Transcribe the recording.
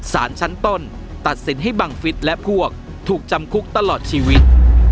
สารชั้นต้นตัดสินให้บังฟิศและพวกถูกจำคุกตลอดชีวิต